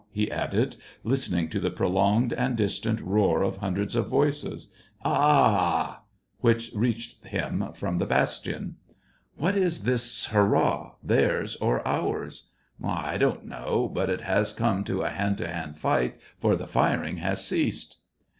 " he added, listening to the prolonged and distant roar of hundreds of voices, " A a aa!" which reached him from the bastion. *' What is this hurrah, theirs or ours ?" *'I don't know; but it has come to a hand to hand fight, for the firing has ceased."